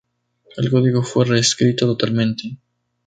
El código fue reescrito totalmente.